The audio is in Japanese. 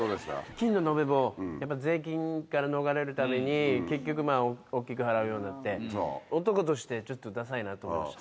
金の延べ棒、やっぱり税金から逃れるために、結局、大きく払うようになって、男としてちょっとださいなと思いましたね。